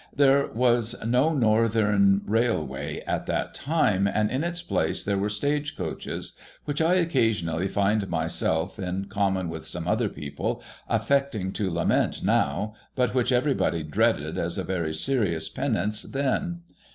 There was no Northern Railway at that time, and in its place there were stage coaches ; which I occasionally find myself, in common with some other people, affecting to lament now, but which everybody dreaded as a very serious penance then.